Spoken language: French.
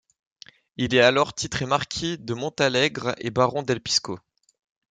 Il est alors titré marquis de Montalegre et baron del Pisco.